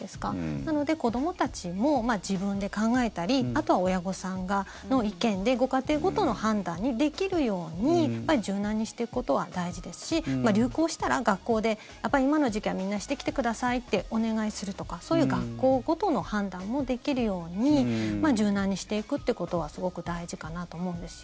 なので、子どもたちも自分で考えたりあとは親御さんの意見でご家庭ごとの判断にできるように柔軟にしていくことは大事ですし流行したら学校でやっぱり今の時期はみんなしてきてくださいってお願いするとかそういう学校ごとの判断もできるように柔軟にしていくってことはすごく大事かなと思うんですよ。